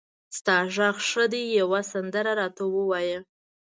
د تا غږ ښه ده یوه سندره را ته ووایه